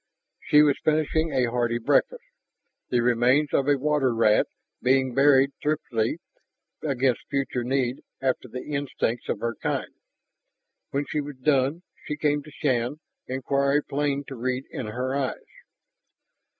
She was finishing a hearty breakfast, the remains of a water rat being buried thriftily against future need after the instincts of her kind. When she was done she came to Shann, inquiry plain to read in her eyes.